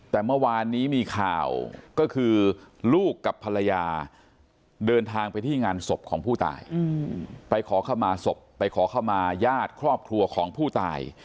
แต่เมื่อวานนี้มีข่าวก็คือลูกกับภรรยาเดินทางไปที่งานศพของผู้ตายไปขอเข้ามาศพไปขอเข้ามาญาติครอบครัวของผู้ตาย